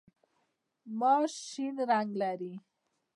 ماش شین رنګ لري.